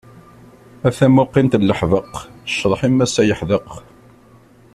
A tamuqint n leḥbeq, cceḍḥ-im ass-a yeḥdeq.